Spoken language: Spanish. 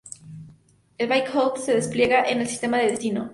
El "bytecode" se despliega en el sistema de destino.